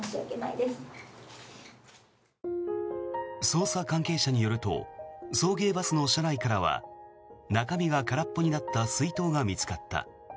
捜査関係者によると送迎バスの車内からは中身が空っぽになった水筒が見つかった。